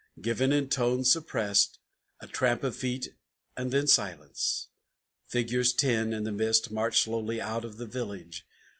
Given in tone suppressed, a tramp of feet, and then silence. Figures ten, in the mist, marched slowly out of the village.